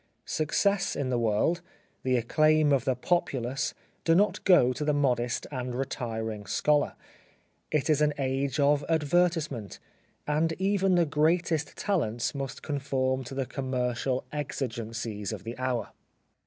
Success in the world, the acclaim of the populace do not go to the modest and retiring scholar. It is an age of advertise ment, and even the greatest talents must con form to the commercial exigencies of the hour.